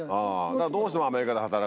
だからどうしてもアメリカで働く。